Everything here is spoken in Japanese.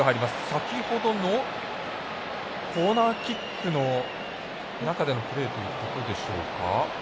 先ほどのコーナーキックの中でのプレーということでしょうか。